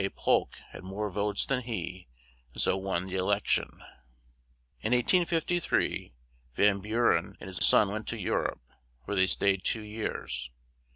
Polk had more votes than he, and so won the e lec tion. In 1853 Van Bu ren and his son went to Eu rope, where they stayed two years.